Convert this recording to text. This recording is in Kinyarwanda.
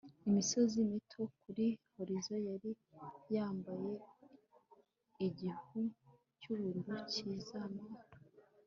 Imisozi mito kuri horizon yari yambaye igihu cyubururu kizima